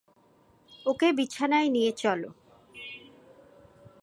ওকে বিছানায় নিয়ে চলো!